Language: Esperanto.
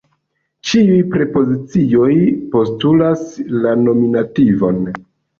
Ĉiuj prepozicioj postulas la nominativon.